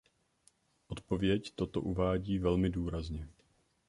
Odpověď toto uvádí velmi důrazně.